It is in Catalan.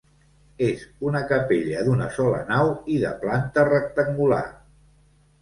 És una capella d'una sola nau i de planta rectangular.